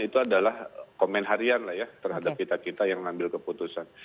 itu adalah komen harian lah ya terhadap kita kita yang ngambil keputusan